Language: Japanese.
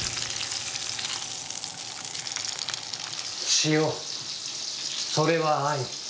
塩それは愛。